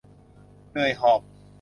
เหนื่อยหอบ